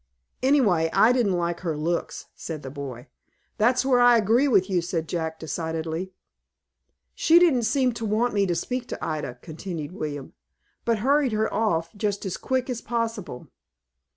"Anyway, I didn't like her looks," said the boy. "That's where I agree with you," said Jack, decidedly. "She didn't seem to want me to speak to Ida," continued William, "but hurried her off, just as quick as possible."